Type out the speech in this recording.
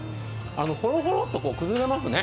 ほろほろっと崩れますね。